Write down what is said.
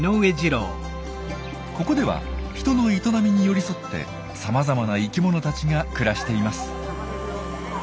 ここでは人の営みに寄り添ってさまざまな生きものたちが暮らしています。